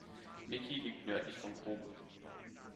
Miki liegt nördlich von Kōbe.